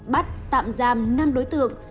bắt tạm giam năm đối tượng